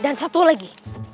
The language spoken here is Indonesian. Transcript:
dan satu lagi